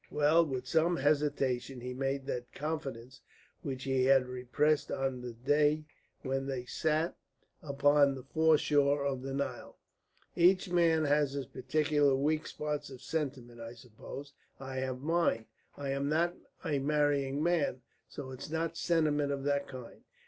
"Well," and with some hesitation he made that confidence which he had repressed on the day when they sat upon the foreshore of the Nile. "Each man has his particular weak spot of sentiment, I suppose. I have mine. I am not a marrying man, so it's not sentiment of that kind.